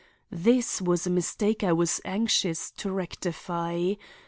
This was a mistake I was anxious to rectify.